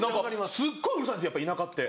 すっごいうるさいんですやっぱ田舎って。